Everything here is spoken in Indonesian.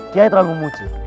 kiai terlalu memuji